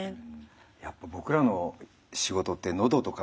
やっぱ僕らの仕事ってのどとか